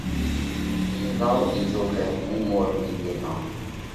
نيهري زائون ٻِيزو ڪئہ هُون مور نيهري زائون۔